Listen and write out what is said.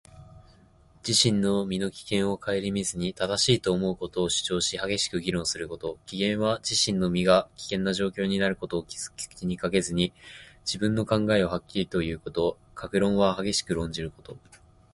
自分の身の危険を顧みずに、正しいと思うことを主張し、激しく議論すること。「危言」は自身の身が危険な状況になることを気にかけずに、自分の考えをはっきりと言うこと。「覈論」は激しく論じること。